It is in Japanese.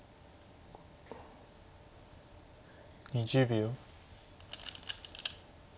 ２０秒。